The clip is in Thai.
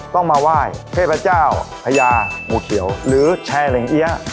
ต้องมาไหว้เทพเจ้าพญางูเขียวหรือแชร์เหล็งเอี๊ยะ